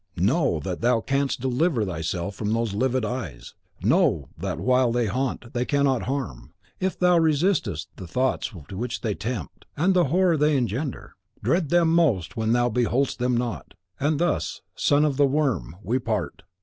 Know that thou CANST deliver thyself from those livid eyes, know that, while they haunt, they cannot harm, if thou resistest the thoughts to which they tempt, and the horror they engender. DREAD THEM MOST WHEN THOU BEHOLDEST THEM NOT. And thus, son of the worm, we part!